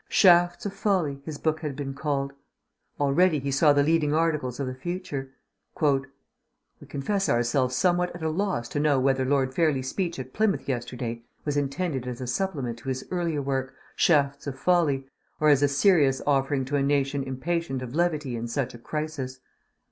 Shafts of Folly, his book had been called. Already he saw the leading articles of the future: "We confess ourselves somewhat at a loss to know whether Lord Fairlie's speech at Plymouth yesterday was intended as a supplement to his earlier work, Shafts of Folly, or as a serious offering to a nation impatient of levity in such a crisis...."